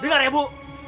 dengar ya bu